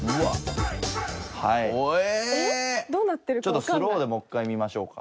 ちょっとスローでもっかい見ましょうか。